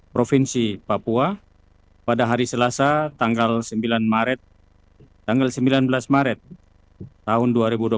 provinsi papua pada hari selasa tanggal sembilan belas maret tahun dua ribu dua puluh empat